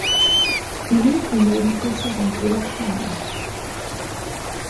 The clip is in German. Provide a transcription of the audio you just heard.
Die linken Nebenflüsse sind sehr klein.